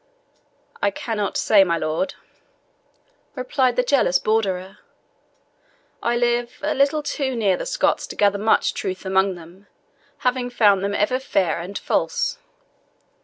"I cannot say, my lord," replied the jealous Borderer. "I live a little too near the Scots to gather much truth among them, having found them ever fair and false.